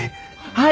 はい！